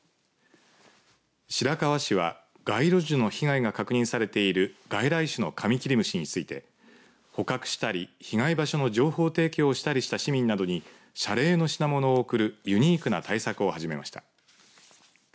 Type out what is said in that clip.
白河市は街路樹の被害が確認されている外来種のカミキリムシについて捕獲したり被害場所の情報提供をしたりした市民などに謝礼の品物を送るユニークな対策を始めました。